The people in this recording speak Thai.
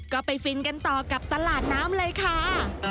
ก็ไปฟินกันต่อกับตลาดน้ำเลยค่ะ